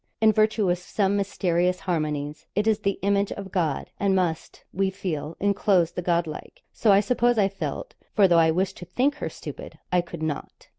In virtue of some mysterious harmonies it is 'the image of God,' and must, we feel, enclose the God like; so I suppose I felt, for though I wished to think her stupid, I could not.